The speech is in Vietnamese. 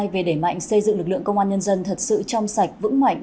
về đẩy mạnh xây dựng lực lượng công an nhân dân thật sự trong sạch vững mạnh